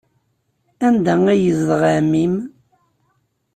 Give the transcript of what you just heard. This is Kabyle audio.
Anda ay yezdeɣ ɛemmi-m?